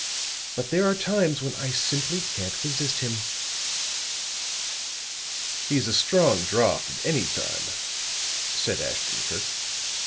But there are times when I simply can't resist him." "He's a strong draught at any time," said Ashton Kirk.